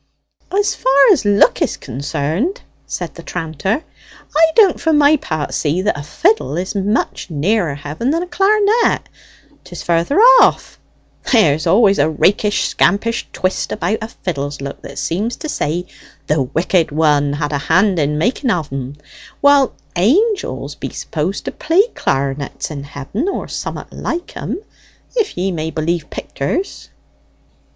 "As far as look is concerned," said the tranter, "I don't for my part see that a fiddle is much nearer heaven than a clar'net. 'Tis further off. There's always a rakish, scampish twist about a fiddle's looks that seems to say the Wicked One had a hand in making o'en; while angels be supposed to play clar'nets in heaven, or som'at like 'em, if ye may believe picters."